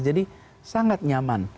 jadi sangat nyaman